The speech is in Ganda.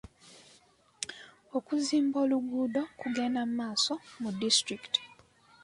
Okuzimba oluguudo kugenda mu maaso mu disitulikiti.